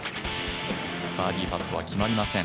バーディーパットは決まりません。